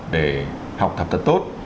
để học thập tật tốt